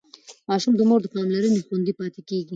ماشوم د مور له پاملرنې خوندي پاتې کېږي.